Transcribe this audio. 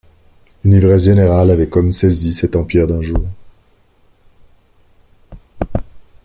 Une ivresse générale avait comme saisi cet empire d’un jour.